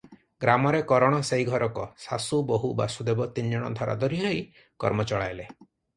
ଗ୍ରାମରେ କରଣ ସେହି ଘରକ; ଶାଶୁ, ବୋହୂ, ବାସୁଦେବ ତିନିଜଣ ଧରାଧରି କରି କର୍ମ ଚଳାଇଲେ ।